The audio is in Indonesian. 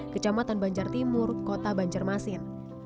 kecamatan banjar timur kota banjarmasin